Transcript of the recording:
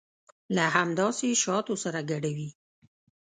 له همداسې شاتو سره ګډوي.